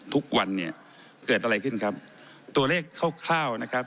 ทุกวันเนี่ยเกิดอะไรขึ้นครับตัวเลขคร่าวคร่าวนะครับ